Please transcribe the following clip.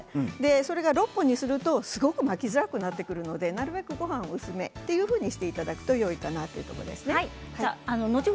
それが６本にすると、すごく巻きづらくなってくるのでなるべくごはんは薄めというふうにしていただくといいかなと思います。